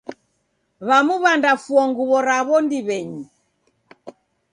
W'amu w'andafua nguw'o raw'o ndiw'enyi.